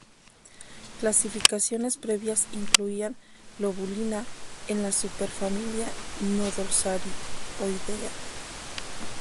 Clasificaciones previas incluían "Globulina" en la superfamilia Nodosarioidea.